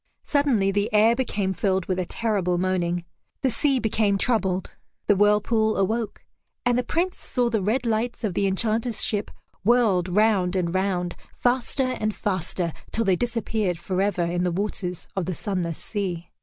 Suddenly the air became filled with a terrible moaning; the sea became troubled; the whirlpool awoke. And the Prince saw the red lights of the Enchanter's ship whirled round and round, faster and faster, till they disappeared forever in the waters of the sunless sea.